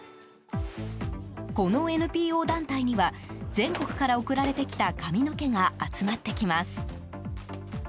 このＮＰＯ団体には全国から送られてきた髪の毛が集まってきます。